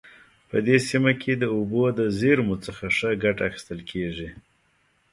په دې سیمه کې د اوبو د زیرمو څخه ښه ګټه اخیستل کیږي